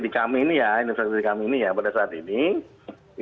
di kami ini ya ini prosedur kami ini ya pada saat ini ya